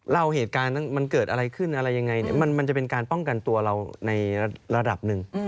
เหตุการณ์นั้นมันเกิดอะไรขึ้นอะไรยังไงเนี่ยมันจะเป็นการป้องกันตัวเราในระดับหนึ่ง